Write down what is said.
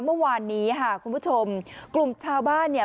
เมื่อวานนี้ค่ะคุณผู้ชมกลุ่มชาวบ้านเนี่ย